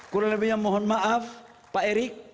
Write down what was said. kurang lebihnya mohon maaf pak erik